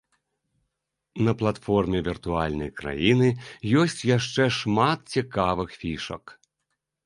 На платформе віртуальнай краіны ёсць яшчэ шмат цікавых фішак.